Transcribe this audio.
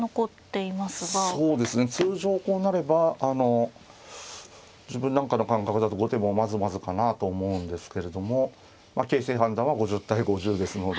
そうですね通常こうなればあの自分なんかの感覚だと後手もまずまずかなと思うんですけれども形勢判断は５０対５０ですので。